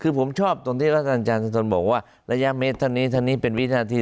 คือผมชอบตรงที่อาจารย์สุธนบอกว่าระยะเมตรท่านนี้ท่านนี้เป็นวินาที